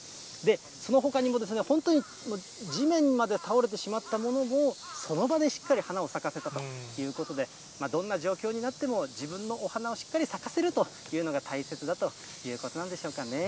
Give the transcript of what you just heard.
そのほかにも、本当に地面まで倒れてしまったものも、その場でしっかり花を咲かせたということで、どんな状況になっても、自分のお花をしっかり咲かせるというのが、大切だということなんでしょうかね。